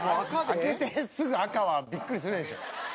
開けてすぐ赤はビックリするでしょ。